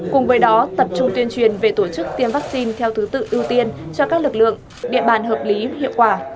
cùng với đó tập trung tuyên truyền về tổ chức tiêm vaccine theo thứ tự ưu tiên cho các lực lượng địa bàn hợp lý hiệu quả